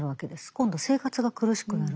今度生活が苦しくなる。